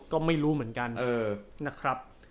ก็ไม่รู้เหมือนกันนะครับ